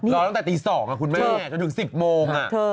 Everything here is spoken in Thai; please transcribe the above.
เราตอนที่๒คุณแม่ถึง๑๐โมง